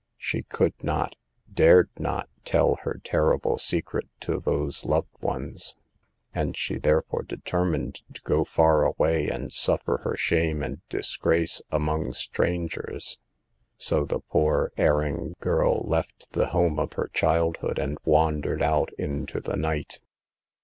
She could not, dared not tell her terrible secret to those loved ones, and she therefore determined to go far away and suffer her shame and disgrace among strangers. So the poor erring girl left the home of her childhood and wandered out into the night.